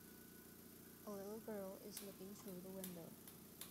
A little girl is looking through the window